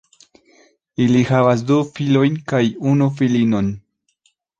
Ili havas du filojn kaj unu filinon.